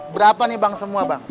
berapa nih bang semua bang